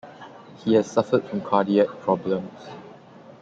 He had suffered from cardiac problems.